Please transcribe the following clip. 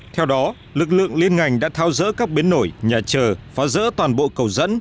theo đó lực lượng liên ngành đã tháo rỡ các biến nổi nhà chờ phá rỡ toàn bộ cầu dẫn